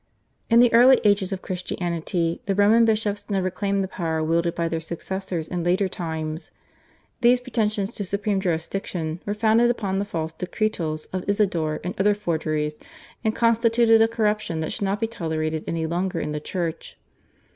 In the early ages of Christianity the Roman bishops never claimed the power wielded by their successors in later times. These pretensions to supreme jurisdiction were founded upon the false decretals of Isidore and other forgeries, and constituted a corruption that should not be tolerated any longer in the Church.